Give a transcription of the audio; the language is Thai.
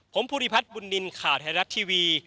ผมภูริพัฒน์บุญนินทร์ข่าวไทยรัฐทีวี